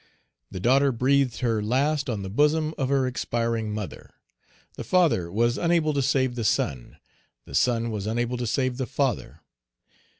The daughter breathed her last on the bosom of her expiring mother. The father was unable to save the son; the son was unable to save the father.